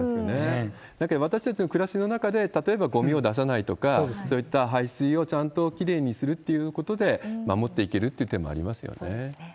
だけど、私たちの暮らしの中で、例えばごみを出さないとか、そういった排水をちゃんときれいにするっていうことで守っていけそうですね。